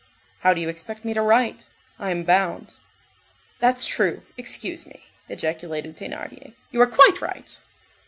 "How do you expect me to write? I am bound." "That's true, excuse me!" ejaculated Thénardier, "you are quite right."